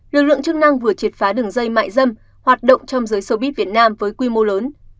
lực lượng chức năng vừa triệt phá đường dây mại dâm hoạt động trong giới sâu bít việt nam với quy mô lớn